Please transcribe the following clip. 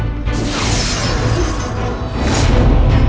mas rasha tunggu